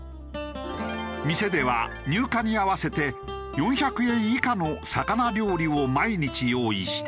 店では入荷に合わせて４００円以下の魚料理を毎日用意している。